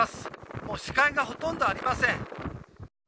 もう視界がほとんどありません。